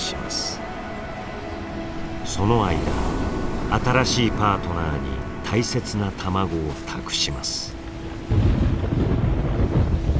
その間新しいパートナーに大切な卵を託します。